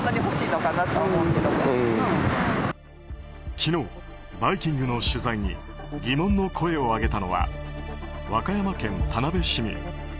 昨日、「バイキング」の取材に疑問の声を上げたのは和歌山県田辺市民。